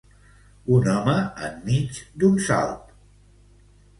Un home enmig d'un salt mentre que el snowboard